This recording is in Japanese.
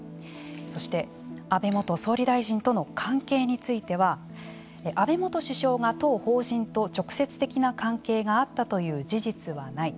そして、安倍元総理大臣との関係については安倍元首相が当法人と直接的な関係があったという事実はない。